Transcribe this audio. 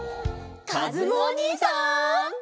かずむおにいさん！